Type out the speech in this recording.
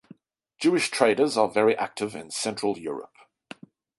Jewish traders are very active in Central Europe.